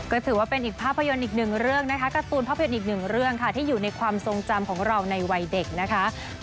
ก็ถือว่าเป็นอีกภาพยนตร์อีกหนึ่งเรื่องนะคะการ์ตูนภาพยนตร์อีกหนึ่งเรื่องค่ะที่อยู่ในความทรงจำของเราในวัยเด็กนะคะ